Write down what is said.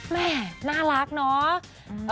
แม่น่ารักเนาะ